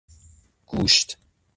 گوشت